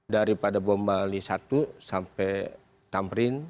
daripada bombali satu sampai